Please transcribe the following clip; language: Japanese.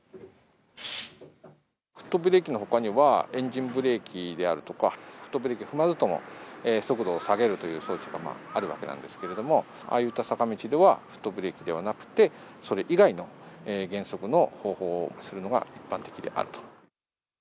フットブレーキのほかには、エンジンブレーキであるとか、フットブレーキを踏まずとも、速度を下げる装置があるわけなんですけれども、ああいった坂道ではフットブレーキではなくて、それ以外の減速の方法をするのが一般的であると。